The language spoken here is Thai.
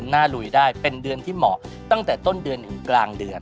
ถ้าลงทุนให้ลงทุนต้นเดือนหรือกลางเดือน